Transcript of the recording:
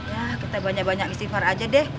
ya kita banyak banyak istighfar aja deh